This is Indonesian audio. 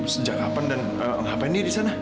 sejak kapan dan ngapain dia disana